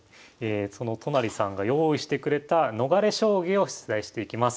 その都成さんが用意してくれた逃れ将棋を出題していきます。